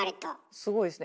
すごいですね。